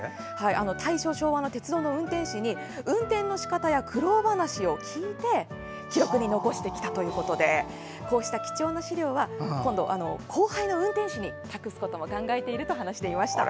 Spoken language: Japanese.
大正、昭和の鉄道の運転士に運転の仕方や苦労話を聞いて記録に残してきたということでこうした貴重な資料は後輩の運転士に託すことも考えていると話していました。